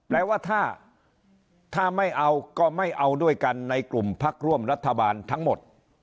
แปลว่าถ้าไม่เอาก็ไม่เอาด้วยกันในกลุ่มพักร่วมรัฐบาลทั้งหมด